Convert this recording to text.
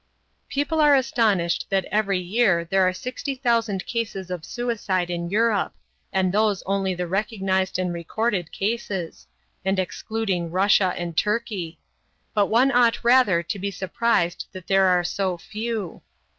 People are astonished that every year there are sixty thousand cases of suicide in Europe, and those only the recognized and recorded cases and excluding Russia and Turkey; but one ought rather to be surprised that there are so few.